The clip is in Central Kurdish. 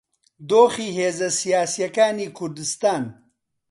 دۆخی هێزە سیاسییەکانی کوردستان